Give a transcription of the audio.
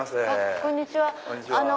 こんにちは。